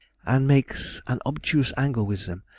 and makes an obtuse angle with them.